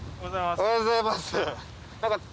おはようございます。